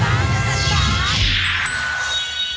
ท่าน